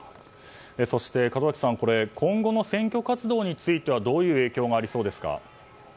そして門脇さん今後の選挙活動についてはどういう影響がありそうですか？